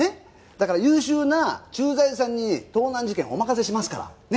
だから優秀な駐在さんに盗難事件お任せしますからね。